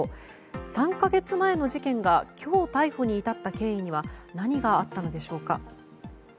３か月前の事件が今日逮捕に至った経緯には何があったのでしょうか。